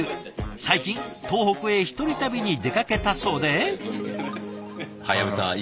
最近東北へ１人旅に出かけたそうで。